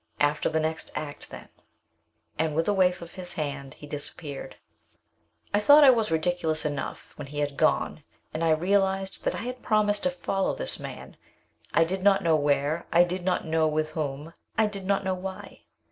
After the next act, then," and, with a wave of his hand, he disappeared. I thought I was ridiculous enough when he had gone, and I realized that I had promised to follow this man, I did not know where, I did not know with whom, I did not know why.